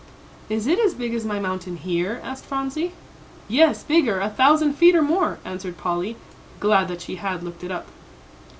"Is it as big as my mountain here?" asked Phronsie. "Yes, bigger, a thousand feet or more," answered Polly, glad that she had looked it up.